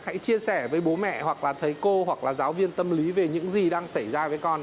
hãy chia sẻ với bố mẹ hoặc là thầy cô hoặc là giáo viên tâm lý về những gì đang xảy ra với con